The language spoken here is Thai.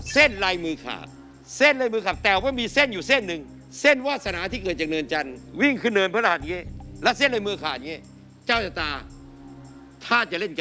เส้นใลมือขาดเส้นใลมือขาด